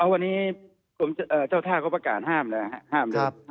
วันนี้เจ้าท่าก็ประกาศห้ามนะครับ